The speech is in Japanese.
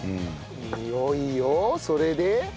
いよいよそれで。